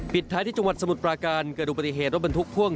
ท้ายที่จังหวัดสมุทรปราการเกิดอุบัติเหตุรถบรรทุกพ่วง